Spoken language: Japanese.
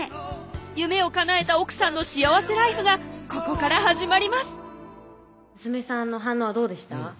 夢をかなえた奥さんの幸せライフがここから始まります娘さんの反応はどうでした？